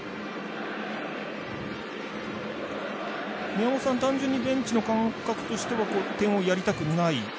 宮本さん、単純にベンチの感覚としては点をやりたくない？